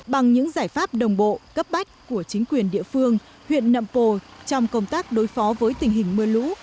bằng những giải pháp đồng bộ cấp bách của chính quyền địa phương huyện nậm pồ trong công tác đối phó với tình hình mưa lũ